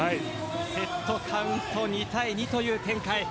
セットカウント２−２という展開。